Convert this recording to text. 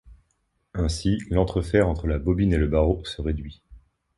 Ainsi l'entrefer entre la bobine et le barreau se réduit.